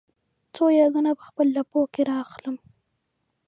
څو یادونه په خپل لپو کې را اخلم